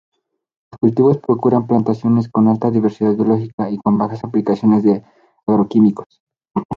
Los cultivos procuran plantaciones con alta diversidad biológica y con bajas aplicaciones de agroquímicos.